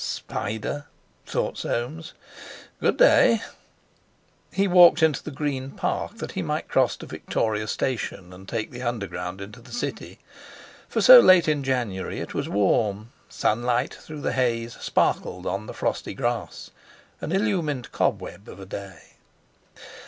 "Spider!" thought Soames. "Good day!" He walked into the Green Park that he might cross to Victoria Station and take the Underground into the City. For so late in January it was warm; sunlight, through the haze, sparkled on the frosty grass—an illumined cobweb of a day.